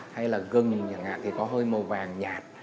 hay là gừng thì có hơi màu vàng nhạt